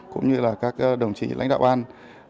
cũng như các đồng chí lãnh đạo ban